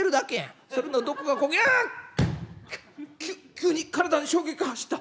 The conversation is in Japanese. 急に体に衝撃が走った。